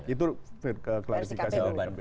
itu keklarifikasi dari kpu